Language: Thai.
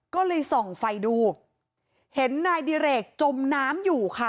ก็เลยส่องไฟดูเห็นนายดิเรกจมน้ำอยู่ค่ะ